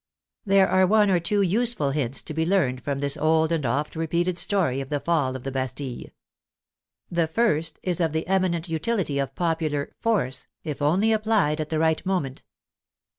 There are one or two useful hints to be learned from this old and oft repeated story of the fall of the Bastille. The first is of the eminent utility of popular " force " if only applied at the right moment.